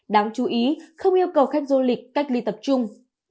đáng chú ý không yêu cầu khách du lịch cách ly tập trung